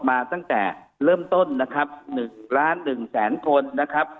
มาตั้งแต่เริ่มต้นนะครับ๑ล้าน๑แสนคนนะครับ